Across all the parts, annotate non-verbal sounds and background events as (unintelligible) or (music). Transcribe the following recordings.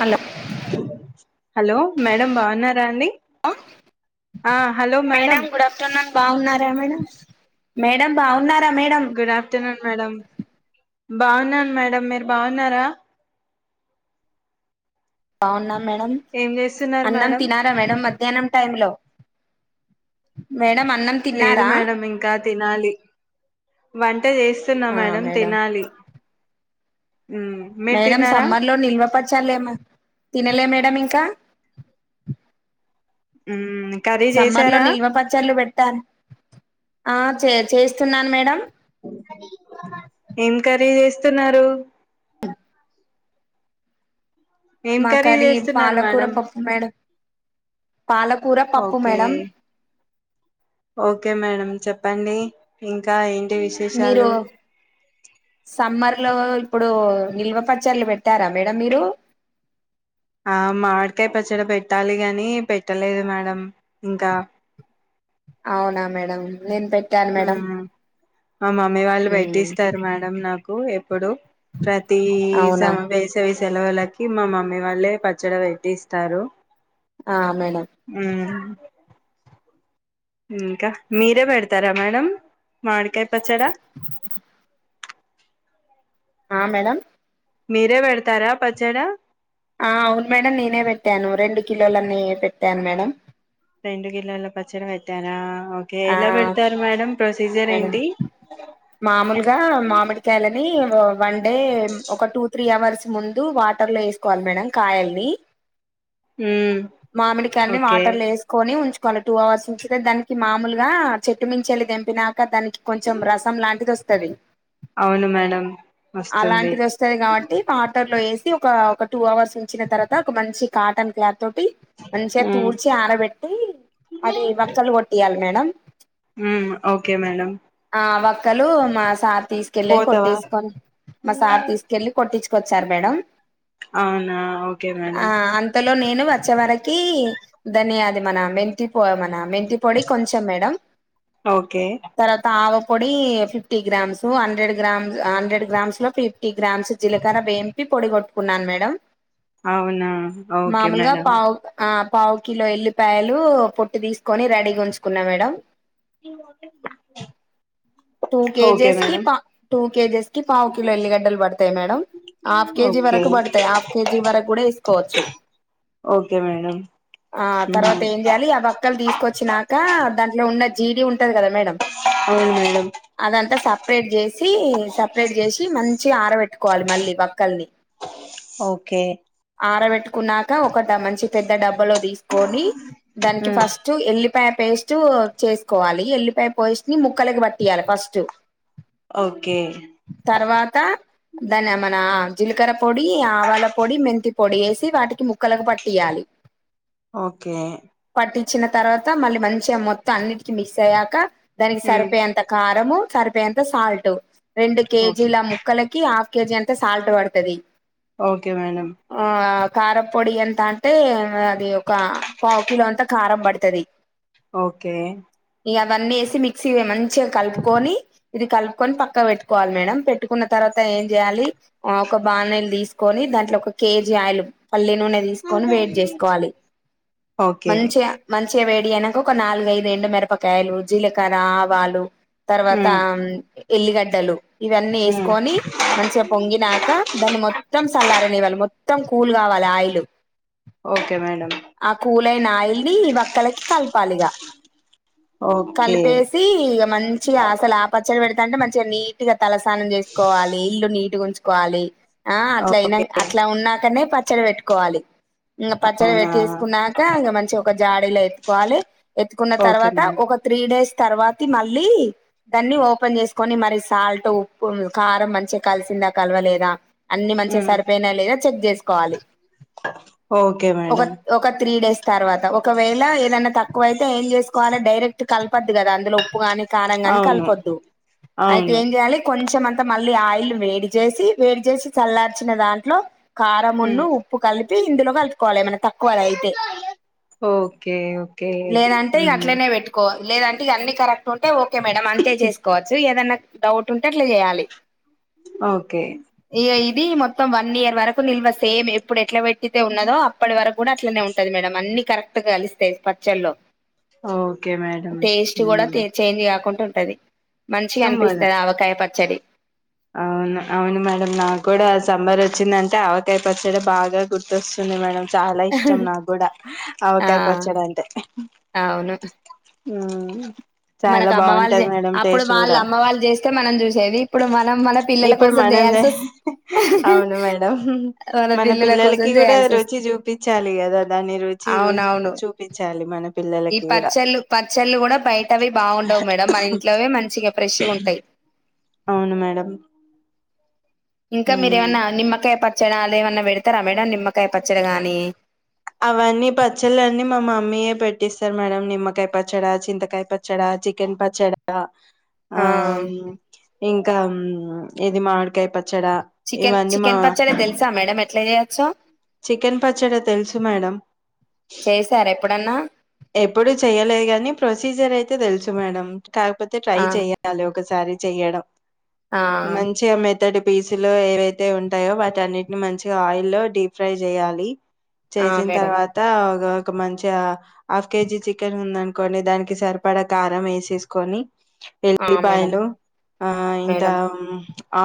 Hello hello madam బాగున్నారా అండి. ఆ హలో మేడం గుడ్ ఆఫ్టర్నూన్ బాగున్నారా మేడం మేడం బాగున్నార్ గుడ్ ఆఫ్టర్నూన్ మేడం. బాగున్నాను. మేడం మీరు బాగున్నారా! బాగున్నాం. మేడం ఏం చేస్తున్నారు అన్నం మేడం తినారా మేడం మర్ మధ్యాహ్నం టైమ్ లో మేడం అన్నం లేదు తిన్నారా మేడం ఇంకా తినాలి. వంట చేస్తున్నా మేడం తినాలి. మ్మ్ మీరు మేడం తిన్నారా సమ్మర్ లో నిల్వపచ్చలేమన్న తినలే మేడం ఇం ఇంకా హ్మ్ సమ్మర్ లో నిల్మపచ్చళ్ళు పెట్టాను. ఆ చే చేస్తున్నాను మేడం ఏం కర్రీ చేస్తున్నారు ఏం మా కర్రీ చేస్తున్నారు పాలకూర మేడం పప్పు మేడం, పాలకూర పప్పు ఓకే మేడం ఓకే మేడం చెప్పండి. ఇంకా ఏ మీరు సమ్మర్ ఇంట్లో ఇప్పుడు నిల్వ పచ్చళ్లు పెట్టారా! మేడమ్ మీరు ఆ మామిడికాయ పచ్చడి పెట్టాలి. గాని పెట్టలేదు. మేడం ఇంకా అవునా మేడమ్ నేను పెట్టాను. మేడం మ్మ్ మా మమ్మీ వాళ్ళు ఉమ్ పెట్టిస్తారు. మేడం నాకు కు ఎ ఇప్పుడు ప్రతీ అవునా సమా వేశ ఇస్ తేలవలకి మా మమ్మీ వాళ్ళే పచ్చడి పెట్టిస్తారు ఆ మేడం ము ఇంకా మీరే పెడతారా మేడం మాడికాయ పచ్చడా ఆ మేడమ్ మీరే పెడతారా పచ్చడా ఆ అవును మేడం నేనే పెట్టాను రెండు కిలోలన్నీ పెట్టాను మేడం రెండు గిన్నెల పచ్చర పెట్టారా ఓకే ఆ ఎలా పెడతారు మేడం ప్రొసీజర్ మేడం ఏంటి మామూలుగా మామిడికాయలనీ వన్ డే ఒక టూ త్రీ అవర్స్ ముందు వాటర్లో వేసుకోవాలి మేడం కాయల్ని మ్మ్ మామిడికాన్ని ఓకే వాటర్లో వేసుకొని ఉంచు కొళ టూ అవర్స్ నుంచి దానికి మామూలుగా చెట్టు మించళ్లి దింపినా క దానికి కొంచెం రసం లాంటిది వొస్ తవి అవును మేడం వస్తుంది అలాంటిది వస్తది కాబట్టి పాటర్ ల్లో వేసి ఒక టూ అవర్స్ ఉంచిన తర్వాత ఒక మంచి కాటన్ క్లాత్ తోట్టి మంచంతో మ్మ్ ఊడ్చి ఆరబెట్టి అది వక్కలు కొట్టియాలి మేడ మం ఓకే మేడం ఆ ఒక్కలు మా సా తీసుకెళ్ళి పోతావా కొట్టేస్కొని మసారు తీసుకెళ్ళి కొట్టిచ్ కొచ్చారు మేడం అవునా ఓకే ఆ మేడం అంతలో నేను వచ్చే వరకి ధన్యాది మన మెంతి పొ మన మెంతి పొడి కొంచెం మేడం ఓకే తర్వాత ఆ ఒక్ పొడి fifty grams hundred grams hundred grams లో ఫిఫ్ ఇ గ్రామ్స్ జిలకార ఎంపీ పొడిగొట్ కున్నాను మేడం అవునా ఓకే మామూలుగా మేడం పావు ఆ పావు కిలో ఎల్లిపాయలు పొట్టి తీసుకొని రెడీగా ఉంచుకున్నా మేడం ఈ మోటర్ బ్యాంగ్ బే టూ కేజీస్ కి పా టూ కేజీస్ కి పావు కిలో ఎల్లిగడ్డలు పడతాయి మేడం హాఫ్ కేజీ ఓకే వరకు పడతాయి హాఫ్ కేజీ వరకు కూడా వేసుకోవచ్చు ఓకే మేడం ఆ తర్వాత ఏం చేయాలి ఆ బక్కలు తీసు వచ్చినాక దాంట్లో ఉన్న జీడి ఉంటది కదా మేడం అవును అదంతా సపరేట్ చేసి సపరేట్ చేసి మంచి ఆరబెట్ పెట్టుకోవాలి మళ్ళీ బక్కల్ని ఓకే ఆరబెట్టుకున్నాక ఒక మంచి పెద్ద డబ్బు మాలా దీసుకోని దానికి ఫస్ట్ ఎల్లీ ఉల్లిపాయ పేస్ట్ చేసుకోవాలి ఎల్లిపాయ పేస్ట్ ని ముక్కలకి బట్టి తియాల ఫస్టు ఓకే తర్వాత దానిమనా జిలకర్ర పొడి ఆవాల పొడి మెంతి పొడి వేసి వాటికి ముక్కలకు పట్టియాలి ఓకే వచ్చిన తర్వాత మళ్ళీ మంచిగా మొత్తం అన్నిటిక మిస్ అయ్యాక దానికి సరిపోయే అంత మరము సరిపోయంత సాల్ట్ రెండు ఓకే కేజీల ముక్కలకి హాఫ్ కేజీ అంతా సాల్ట్ పడతది ఓకే మేడం కారపొడి ఎంత అంటే ఒకే ఒక పావకిిలో అ కారం పడతది ఓకే ఇ అవి అన్ని ఎసి మక్సీ మంచి కొంచెం కలుపుకొని ఇది కలుపుకొని పక్కన పెట్టుకోవాలి మేడం పెట్టుకున్న తర్వాత ఏం చేయాలి ఆ ఒక బానేలు తీసుకొని కొని దాంట్లో ఒక కేజీ ఆయిలు పల్లి నూనె తీసుకొని వెడి చేసుకోవాలి ఓకే మంచిగా మంచి మంచిగ వేడి అయినాక ఒక నాలుగైదు ఎండు మిరపకాయలు జీలకర్ర ఆవాలు తర్వాత ఎల్లిగడ్డలు ఇవన్నీ వేసుకొని మంచిగా పొంగినాక దాన్ని మొత్తం సల్లార నివ్వాలి మొత్త మొత్తం కూల్ కావాల ఆయిలు ఓకే మేడం అయిన ఆయిల్ నీ వక్కలకి కలపాలిగా ఓకే కలిపేసి మంచి గా అసలు ఆ పచ్చడి పెడిత్ అంటే మంచిగా నీట్ గా తలసానం చేసుకోవాలి ఇల్లు నీటిగ ఉంచు కోవలి ఆ అట్లాయినా ఓకే అట్లా ఉన్నాకనే ప న పెట్టుకోవాలి ఇంగ పచ్చడి అవునా పెట్టిేసుకున్నాక ఇంగ మంచి ఒక జాడ ఇలా పెట్టుకోవాలి ఎత్తుకున్న ఓకే తర్వాత మేడం ఒక త్రీ డేస్ తర్వాతి మ లీ దాన్ని ఓపెన్ చేసుకొని మరి సాల్ట్ ఉప్పు కారం మంచిగా కలిసిందా కలవలేదా అన్ని మంచిగా సరిపోయినా లేదా చెక్ చేసుకోవాలి ఓకే ఒక మేడం ఒక త్రీ డేస్ తర్వాత ఒకవేళ ఏదన్నా తక్కువ అయితే ఏం చేసుకోవాలి డైరెక్ట్ కలపద్దు కదా అందులో ఉప్పు కాని కారం గాని అవును కలిపొద్దు అయితే అవును ఏం చేయాలి కొంచెం అంత అంత మళ్ళీ ఆయిల్ వేడి చేసి వేడి చేసి చల్లార్చిన దాంట్లో కారమున్ను ఉప్పు కలిపి ఇందులో కలుపుకోవాలి ఏమన్నా తక్కువ అయితే ఓకే ఓకే లేదంటే ఇక అట్లనే పెట్టుకోవాలి లేదంటే ఇవన్నీ కరెక్ట్ ఒంటె ఓ ఓకే మేడం అంతే చేసుకోవచ్చు ఏదన్నా డౌట్ ఉంటే అట్ల చేయాలి ఓకే ఇక ఇది మొత్తం వన్ ఇయర్ వరకు నిల్వ సేమ్ ఎప్పుడు ఎట్లా పెట్టి తే ఉన్నదో అప్పటి వరకు కూడా అట్లనే ఉంటది మేడమ్ అన్ని కరెక్ట్ గా కలిస్తే పచ్చల్లో ఓకే మేడమ్ మ్ టె చేంజ్ కాకుండా ఉంటది మంచిగా సో మరి అనిపిస్తది ఆవకాయ పచ్ సరి అవును అవును త్త ఆవకాయ పచ్చడి బాగా గుర్తొస్తుంది మేడం. చాలా ఇష్టం నాకు కూడ ఆ ఆవకాయ పచ్చడంటే అవును ఊమ్మ్ మనకు అమ్మ వాళ్ళు చే అప్పుడు వాళ్ళు అమ్మ వాళ్ళు చేస్తే మనం చూసేది ఇప్పుడు మనం మన పిల్లల ఇప్పుడు కోసం మనం చేయాల్సి వస్ అవును మేడం మన పిల్లల కోసం పిల్లలకి కూడా చేయాల్సి వస్ రుచి చూపించాలి కదా దాన్ని రుచి రు అవునవును చూపించాలి మనం ఈ పచ్చళ్ళు పచ్చళ్ళు కూడా బయటవి బాగుండవు మేడం మన ఇంట్లోవే మంచిగా ఫ్రెష్గా ఉంటయ్. అవును మేడం ఇంకా మ్మ్ మీరేవన్నా నిమ్మకాయ ప క్షణాల్లో ఏమన్న పెడతారా మేడం నిమ్మకాయ పచ్చడి గాని అవన్నీ పచ్చళ్ళు అన్నీ మా మమ్మీయే పెట్టిస్తారు మేడం నిమ్మకాయ పచ్చడ చింతకాయ పచ్చడ చికెన్ పచ్చడ ఆ ఆమ్ ఇంకా ఆమ్ ఇది మాడికాయ పచ్చడి చికెన్ చికెన్ పచ్చడి తెలుసా మేడం ఎట్లా చేయొచ్చో చికెన్ పచ్చడి తెలుసు మేడం చేశారా ఎప్పుడన్నా ఎప్పుడు చెయ్యలేదు గానీ ప్రొసీజర్ అయితే తెలుసు మేడం కాకపోతే ట్రై ఆ చెయ్యాలి ఒకసారి చెయ్యడం ఆ మంచి అమె మెత్తటి పీసులు ఏవైతే ఉంటాయో వాటి అన్నిటిని మంచిగా ఆయి లో డీప్ ఫ్రై చేయాలి ఆ చేసిన మేడం తర్వాత ఒక ఒక మంచి హాఫ్ కేజీ చికెన్ ఉందనుకోండి దానికి సరిపడా కారం వేసేసుకొని ఆ మేడం ఎల్లిపాయలు ఆ ఇంత మేడం ఉం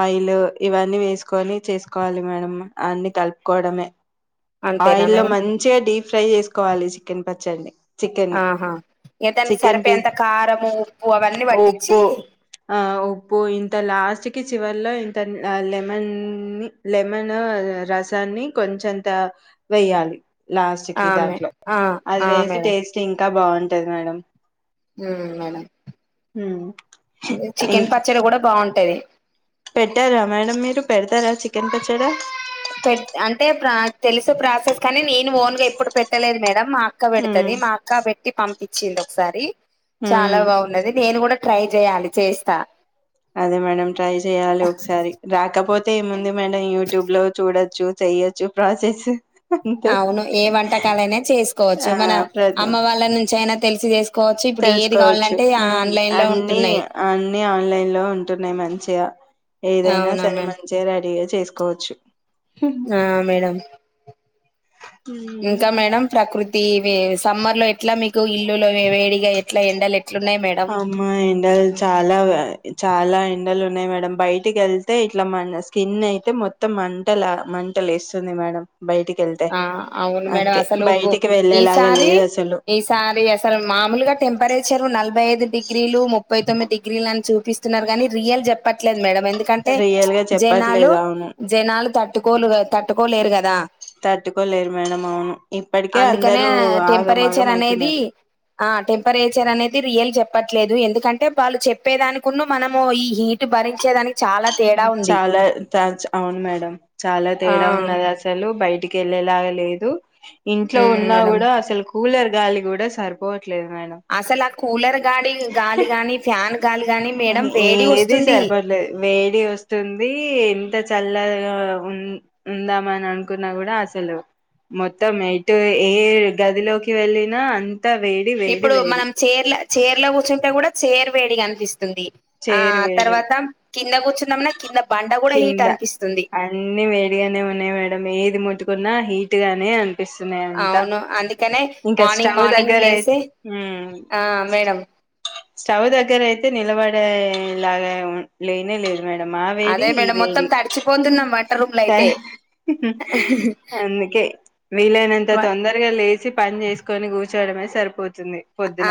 ఆయిల్ ఇవన్నీ వేసుకొని చేసుకోవాలి మేడమ్ అన్ని కలుపుకోవడమే అంతేనా ఆయిల్ లో మేడం మంచిగా డీప్ ఫ్రై చేసుకోవాలి చికెన్ పచ్చడిని చికెన్ ని ఆహా ఏ దానికి చికెన్ సరిపోయే పీస్ అంత కారము ఉప్పు అవన్నీ పట్టించి పో ఇంత లాస్ట్ కి చివరిలో ఇంత లెమన్నీ లెమన్ రసాన్ని కొంచంత వెయ్యాలి లాస్ట్ ఆ కి మే దాంట్లో ఆ అది ఆ వేసి మేడం టేస్ట్ంగ్ ఇంకా బాగుంటది మేడం. ఉ మేడం హ్మ్ ఇంక చికెన్ పచ్చడి కూడా బాగుంటది. పెట్టేరా మేడం మీరు పెడతారా చికెన్ పచ్చడా పెట్ అంటే ప్రా తెలుసు ప్రాసెస్ కానీ నేను ఓన్ గా ఇప్పుడు పెట్టలేదు మేడం మా అక్క హ్మ్ పెడతది మా అక్క పెట్టి పంపి ఇచ్చింది ఒకసారి చాలా హ్మ్ బాగున్నది నేను కూడా ట్రై చేయాలి చేస్తా అదే మేడం ట్రై చెయాలి ఒకసారి రాకపోతే అయితే ఏముంది మేడం యూట్యూబ్ లో చూడొచ్చు చెయొచ్చు ప్రాసెస్ అంతే అవును ఏ వంటకాల అయినా చేసుకోవచ్చు ఆ మన ప్రతి అమ్మ వాళ్ళ నుంచి అయినా తెలిసి చేసుకో తెలుసుకోవచ్చు లో అన్ని ఉంటున్నాయి. అన్ని ఆన్లైన్ లో ఉంటున్నాయి మ చిగా ఏదైనా అవునా సరే మ్యామ్ మంచిగా రెడీగా చేసు చేసుకోవచ్చు ఆ మేడమ్ ఇంకా మేడమ్ ప్రకృతి సమ్మర్ లో ఎట్లా మీకు ఇల్లులో వేడిగా ఎట్లా ఎండలు ఎక్కు అమ్మా ఎండలు చాలా పే చాలా ఎండలు ఉన్నాయి మేడమ్ బయటికి వెళ్తే ఇట్లా మ స్కిన్ అయితే మొత్తం మంటలు మంటలేస్తుంది మేడమ్ ఆ అవును మేడమ్ అసలు బయటికి వెళ్ళేలాగా ఈసారి లేదు అసలు ఈసారి అసలు మామూలుగా టెంపరేచర్ నలభై ఐదు డిగ్రీలు ముప్పై తొమ్మిది డిగ్రీలు అని చూపిస్తున్నారు కాగానీ రియల్ చెప్పట్లేదు మేడమ్ ఎందుకంటే రియల్ గా జనాలు చెప్పట్లేదు అవును జనాలు తట్టుకోరు కదా తట్టు ఒప్పుకోలేరు కదా తట్టుకోలేరు మేడం అవును ఇప్పటికే అందుకనే అందరూ ఆగమాగం టెంపరేచర్ అనేది అయితున్నారు ఆ టెంపరేచర్ అనేది రియల్ చెప్ చెప్పట్లేదు ఎందుకంటే వాళ్ళు చెప్పేదానికున్నా మనము ఈ హీట్ భరించేదానికి చాలా తేడా ఉంది చాలా అవును మేడం చాలా ఆ తేడా ఉన్నది అసలు బయట ఇంటికెళ్ళేలాగా లేదు ఇంట్లో ఉమ్ ఉన్నా మేడం కూడా అసలు కూలర్ గాలి కూడా సరిపోవచ అసలు ఆ కూలర్ గాడి గాలి గాని ఫ్యాన్ గాలి గాని మేడం వేడి ఏది వస్తుంది సరిపడలేదు వేడి వస్తుంది ఎంత చ చల్లగా ఉ ఉందామ అని అనుకున్నా కూడా అసలు మొత్తం ఎటు ఏ గదిలోకి వెళ్ళినా వేడి వేడి ఇప్పుడు వేడి మనం చైర్ చైర్లో కూర్చుంటే కూడా చేరువేడి కనిపిస్తంది ఉంది ఆ చేరు వేడి తర్వాత కింద కూర్చుందమన కింద బండ కూడా హీట్ కింద అనిపిస్తుంది. అన్ని కొన్నా హీట్ గానే అంన్ పీస్తున్నాయి అంత అవును అందుకనే ఇంకా మార్నింగ్ స్టవ్ మార్నింగ్ దగ్గరయితే లేసే మ్మ్ ఆ మేడం స్టవ్ దగ్గర అయితే నిలబడి (unintelligible) లాగా ఉం లేనే లేదు మేడం ఆ వేడి అదే ఈ మేడం మొత్తం వేడి తడిచిపోతున్నాం వంట రూమ్ లో అయితే అందుకే వీలైనంత వ తొందరగా లేచి పని చేసుకొని కూర్చ్ చేయడమే సరిపోతుంది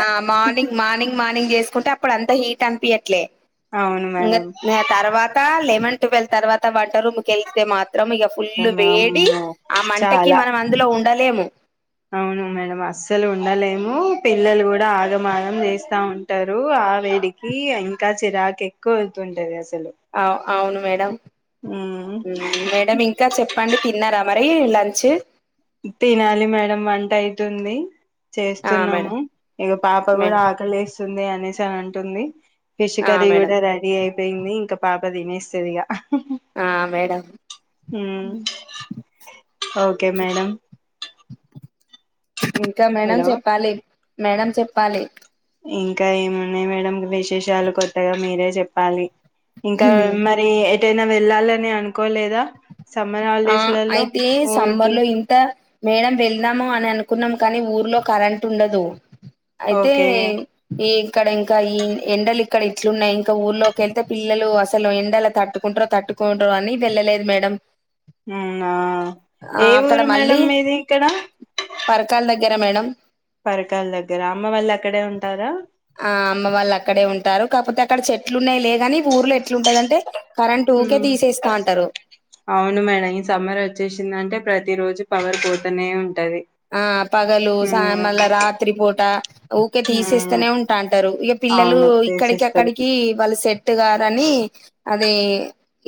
ఆ మార్నింగ్ మార్నింగ్ మార్నింగ్ చేసుకుంటే అప్పుడు అంత హీట్ అనిపియట్లే అవును మేడం ఇంగత్ ఆ తర్వాత లెమన్ టువెల్ తర్వాత వాల్ వంట రూమ్కి వెళ్తే మాత్రం ఇక ఫుల్ వేడి అమ్మో ఆ మంటకి చాలా మనం అందులో ఉండలేము. అవును మేడం అస్సలు ఉండలేము పిల్లలు కూడా ఆగమాగం చేస్తా ఉంటారు. ఆ వేడికి ఇంకా చిరాకు ఎక్కువ ఉంటుంటది అసలు తలు అవు అవును మేడం హ్మ్ మేడం ఇంకా చెప్పండి తిన్నారా మర్ అయ్యాయో లంన్చు తినాలి మేడం వంట అయితుంది ఆ మేడం చేస్తున్నాము ఇక పాప కూడా మేడం ఆకలిస్తుంది. అనేసి తాన్ అంటుంది ఫిష్ ఆ కర్రీ మేడం కూడా రెడీ అయిపోయింది. ఇంకా పాప పాపాదిసేస్తది ఇగా ఆ మేడం మ్మ్ ఓక్ మేడం ఇంకా మేడం హలో చెప్పాలి మేడం చెప్పాలి ఇంకా ఏమున్నాయి మేడం విశేషాలు కొత్తగా మీరే చెప్పాలి ఇంకా మరి ఎటైనా వెళ్ళాలని అనుకోలేదా సమ్మర్ ఆ హాలిడేస్లలో అయితే ఊరికి సమ్మర్ లో ఇంత మేడం వెళ్నమ్మ అని అనుకొ కున్నాం కానీ ఊరిలో కరెంట్ ఉండదు అయితే ఓకే ఈ ఇక్కడ ఇంకా ఈ ఎండలు ఇక్కడ ఇట్లున్నాయి. ఇంకా ఊర్లోకి వెళ్తే పిల్లలు అసలు ఎండలు తట్టుకుంట్రో తట్టుకుంట్ర అని వెల్లలేదు మేడం. హ్మ్ అవ్నా ఆ ఏ అక్కడ ఊరు మళ్ళీ మేడం మీది ఇక్కడ గర మేడం పరకాల దగ్గర అమ్మ వాళ్ళు అక్కడే ఉంటారా టారు కాకపోతే అక్కడ చెట్లు ఉన్నాయి. లే కాని ఊర్లో ఇట్లుంటదంటే కరెంట్ ఊకే ఉమ్ తీసేస్తాంటరు. అవును మేడం ఈ సమ్మర్ వచ్చేసిందంటే ప్రతి రోజు పవర్ పోతూనే ఉ ఆ పగలు సా మళ్ళా రాత్రి పూట ఊకే ఉమ్ తీసేస్తానే ఉంటాంటారు. ఇగ పిల్లలు అవును ఇక్కడికి తీసిస్తారు అక్కడికి వాళ్ళు సెట్ గారని అది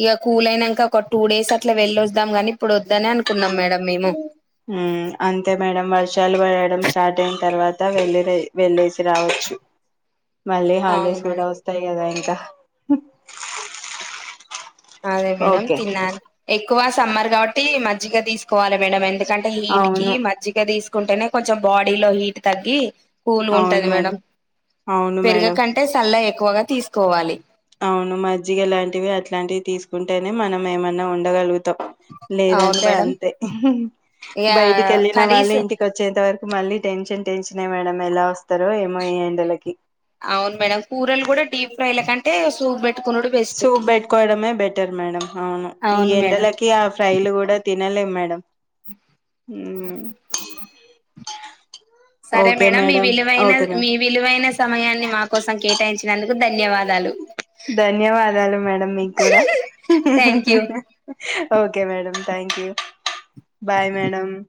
ఇక కూల్ అయినాక ఒక టూ డేస్ అట్లా వెళ్ళొస్తాద్దాం. కాని ఇప్పుడు ఓద్దనే అనుకున్నాం మేడం మేము ఉ అంత అంతే మేడం వర్షాలు పడడం స్టార్ట్ అయిన తర్వాత వెళ్ళేదే వెళ్ళేసి రావచ్చు. మళ్ళీ అవును హాలీడేస్ కూడా మేడం వస్తాయి. కదా ఇంకా అదే మేడం ఓకే తిన్నాను ఎగ్ క్కువ సమ్మర్ కాబట్టి మజ్జిగ తీసుకోవాలి మేడం ఎండకు కంటే హీట్ కి అవును మజ్జిగా తీస్ కుంటేనే కొంచెం బాడీలో హీట్ తగ్గి కుల్గుంటది మేడం అవును మేడం పెరిగకంటే సల్ల ఎ క్కువగా తీసుకోవాలి. అవును మజ్జిగ లాంటివి అట్లాంటివి తీసుకుంటేనే మనం ఏమన్నా ఉండగలుగు తాం అవును లేదంటే మేడం అంతే హుహుహ్ ఇక బయటికి వెళ్ళిన వాళ్ళు కర్రీస్ ఇంటికి వచ్చేంత వరకు మళ్ళీ టెన్షన్ టెన్షన్ ఎ మేడం ఎలా వస్తారో ఏమో ఇ ఎండలకి అవును మేడం కూరలు కూడా డీప్ ఫ్రై ల కంటే సూప్ పెట్ సూప్ బెట్టుకోవడమే బెటర్ మేడం అవును ఈ ఎండలకి ఆ ఫ్రైలు కూడా తిన నేలే మేడం హ్మ్ సరే ఓకే మేడం మీ విలువైన ఓకే మేడం మీ విలువైన సమయాన్ని మా కోసం కేటాయించినందుకు. ధన్యవాదాలు. ధన్యవాదాలు మేడం మీకు కూడా thank you okay madam thank you bye madam